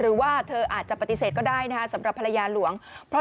หรือว่าเธออาจจะปฏิเสธก็ได้นะฮะสำหรับภรรยาหลวง